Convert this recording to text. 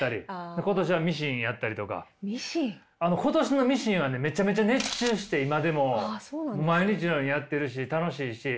今年のミシンはねめちゃめちゃ熱中して今でも毎日のようにやってるし楽しいし。